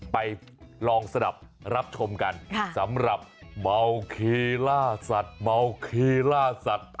ไปลองสนับรับชมกันสำหรับเมาขีลาสัตว์